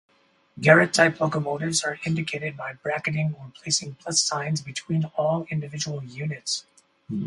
Garratt-type locomotives are indicated by bracketing or placing plus signs between all individual units.